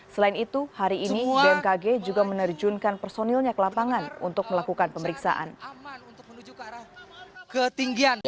selain itu hari ini bmkg juga menerjunkan personilnya ke lapangan untuk melakukan pemeriksaan